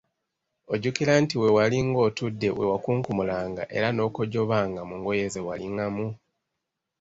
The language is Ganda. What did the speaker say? Ojjukira nti we walinga otudde we wakunkumulanga, era n'okojobanga mu ngoye ze walingamu?